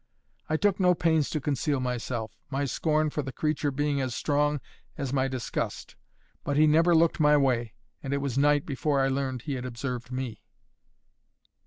I took no pains to conceal myself, my scorn for the creature being as strong as my disgust. But he never looked my way, and it was night before I learned he had observed me.